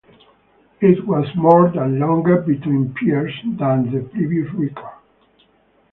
It was more than longer between piers than the previous record.